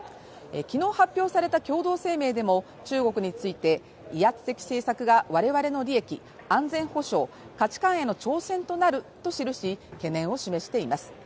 昨日発表された共同声明でも中国について、威圧的政策が我々の利益、安全保障、価値観への挑戦となると記し懸念を示しています。